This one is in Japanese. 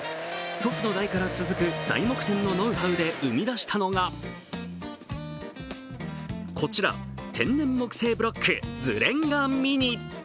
祖父の代から続く材木店のノウハウで生み出したのがこちら、天然木製ブロックズレンガｍｉｎｉ。